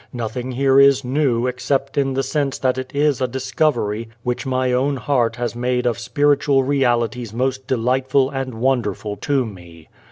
Nothing here is new except in the sense that it is a discovery which my own heart has made of spiritual realities most delightful and wonderful to me.